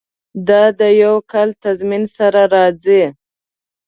دا د یو کال تضمین سره راځي.